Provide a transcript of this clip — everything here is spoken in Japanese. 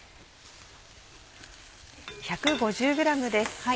１５０ｇです。